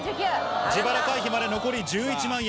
自腹回避まで残り１１万円。